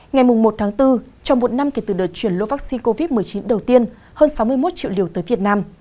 ngày một tháng bốn trong một năm kể từ đợt chuyển lô vaccine covid một mươi chín đầu tiên hơn sáu mươi một triệu liều tới việt nam